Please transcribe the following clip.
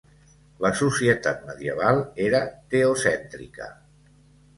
La societat medieval era teocèntrica.